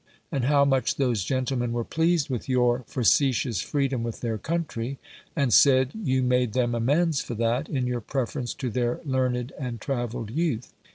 And how much those gentlemen were pleased with your facetious freedom with their country, and said, you made them amends for that, in your preference to their learned and travelled youth?